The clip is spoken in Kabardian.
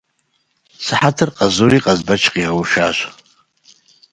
Сыхьэтыр къэзури Къазбэч къигъэушащ.